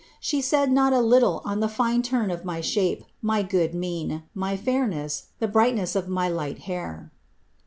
She said not a little on the fine turn of my shape, my good mien, my fairness, the brightness of my light hair."